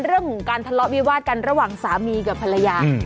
เรื่องของการทะเลาะวิวาดกันระหว่างสามีกับภรรยา